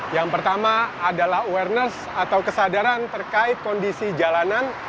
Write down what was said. yang pertama adalah awareness atau kesadaran terkait kondisi jalanan